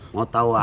mau tau apa